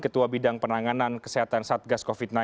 ketua bidang penanganan kesehatan satgas covid sembilan belas